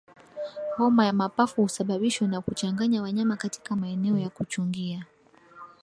Homa ya mapafu husababishwa na kuchanganya wanyama katika maeneo ya kuchungia